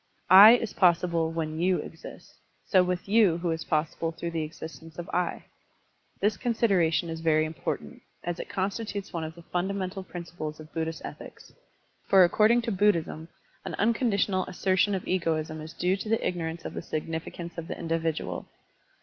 "I" is possible when "you" exists, so with "you" who is possible tljjrough the existence of "I." This consideration is very important, as it constitutes one of the funda mental principles of Buddhist ethics. For accord ing to Buddhism an tmconditional assertion of egoism is due to the ignorance of the significance of the individual.